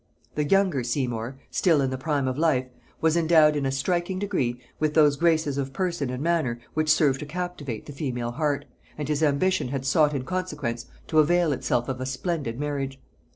The younger Seymour, still in the prime of life, was endowed in a striking degree with those graces of person and manner which serve to captivate the female heart, and his ambition had sought in consequence to avail itself of a splendid marriage.